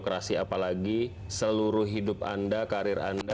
kenapa sih apa yang lebih dari anda